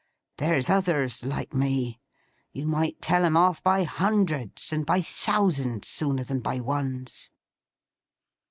There's others like me. You might tell 'em off by hundreds and by thousands, sooner than by ones.